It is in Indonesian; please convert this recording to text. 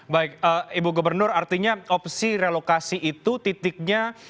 baik ibu gubernur artinya opsi relokasi itu titiknya